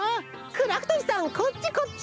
クラフトおじさんこっちこっち！